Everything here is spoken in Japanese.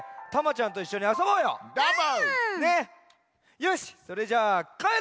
よしそれじゃあかえろう！